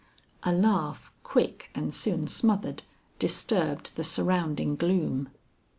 A laugh quick and soon smothered, disturbed the surrounding gloom.